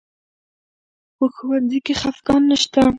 په ښوونځي کې خفګان نه شته.